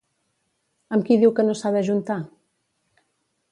Amb qui diu que no s'ha d'ajuntar?